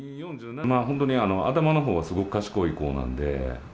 本当に頭のほうは、すごく賢い子なんで。